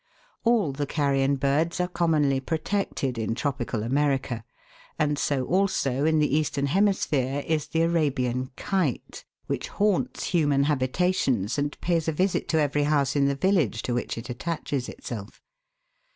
All the carrion birds are commonly protected in tropical America, and so also in the eastern hemisphere is the Arabian kite, which haunts human habitations and pays a Q 242 THE WORLDS LUMBER ROOM. visit to every house in the village to which it attaches itself.